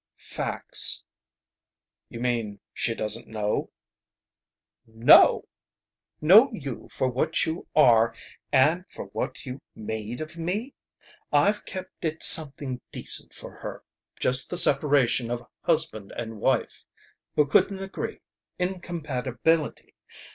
"Facts." "You mean she doesn't know?" "Know! Know you for what you are and for what you made of me? I've kept it something decent for her. Just the separation of husband and wife who couldn't agree. Incompatibility.